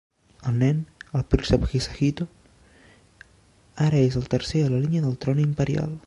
El nen, el príncep Hisahito, ara és el tercer a la línia del Tron Imperial.